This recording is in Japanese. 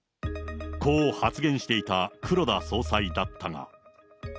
こう発言していた黒田総裁だったが。